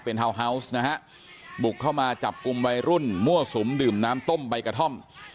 ทาวน์ฮาวส์นะฮะบุกเข้ามาจับกลุ่มวัยรุ่นมั่วสุมดื่มน้ำต้มใบกระท่อม